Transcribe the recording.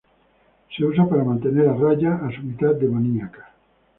Se usa para mantener a raya a su mitad demoníaca.